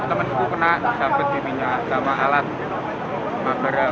temenku kena disapit di minyak sama alat bambaran